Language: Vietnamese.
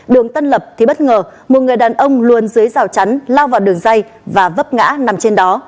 một nghìn sáu trăm năm mươi sáu bốn trăm linh đường tân lập thì bất ngờ một người đàn ông luôn dưới rào chắn lao vào đường dây và vấp ngã nằm trên đó